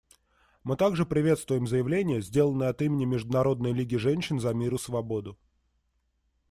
Мы также приветствуем заявление, сделанное от имени Международной лиги женщин за мир и свободу.